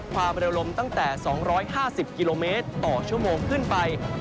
ความเร็วลมตั้งแต่๒๕๐กิโลเมตรต่อชั่วโมงขึ้นไป